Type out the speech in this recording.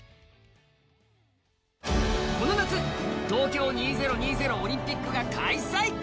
この夏、東京２０２０オリンピックが開催。